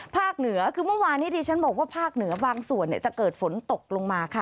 เหนือคือเมื่อวานนี้ที่ฉันบอกว่าภาคเหนือบางส่วนจะเกิดฝนตกลงมาค่ะ